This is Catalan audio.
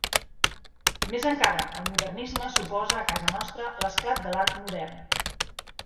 Més encara, el modernisme suposa, a casa nostra, l'esclat de l'art modern.